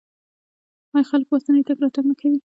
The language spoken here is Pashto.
آیا خلک په اسانۍ تګ راتګ نه کوي؟